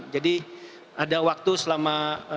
jadi ada waktu selama